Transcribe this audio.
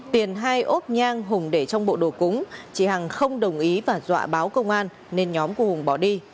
tiền hai ốp nhang hùng để trong bộ đồ cúng chị hằng không đồng ý và dọa báo công an nên nhóm của hùng bỏ đi